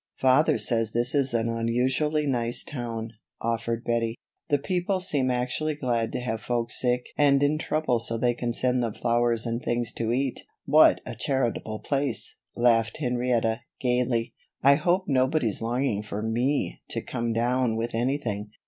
"Father says this is an unusually nice town," offered Bettie. "The people seem actually glad to have folks sick and in trouble so they can send them flowers and things to eat." "What a charitable place," laughed Henrietta, gaily. "I hope nobody's longing for me to come down with anything.